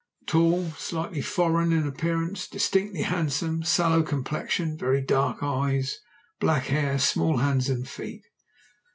"Tall, slightly foreign in appearance, distinctly handsome, sallow complexion, very dark eyes, black hair, small hands and feet."